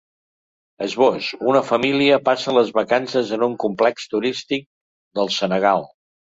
Esbós: Una família passa les vacances en un complex turístic del Senegal.